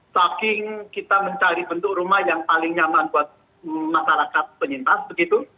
saking kita mencari bentuk rumah yang paling nyaman buat masyarakat penyintas begitu